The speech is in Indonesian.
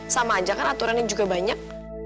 sama aja kan aturannya juga banyak